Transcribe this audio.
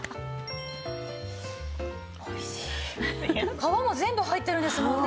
皮も全部入ってるんですもんね？